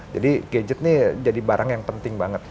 jadi gadgetnya jadi barang yang penting banget